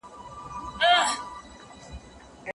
هغه په غونډه کي د خپلو اندونو په هکله هېڅ ونه ویل.